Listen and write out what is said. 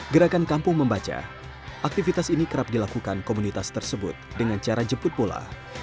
gerakan kampung membaca aktivitas ini kerap dilakukan komunitas tersebut dengan cara jemput bola